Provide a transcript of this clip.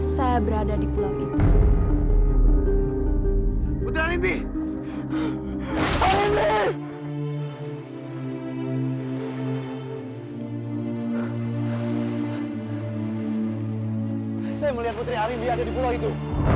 saya berada di pulau itu